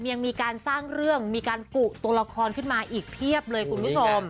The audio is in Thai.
ยังมีการสร้างเรื่องมีการกุตัวละครขึ้นมาอีกเพียบเลยคุณผู้ชม